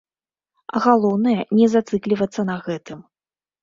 Галоўнае не зацыклівацца на гэтым.